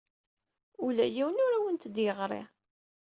Ula d yiwen ur awent-d-yeɣri.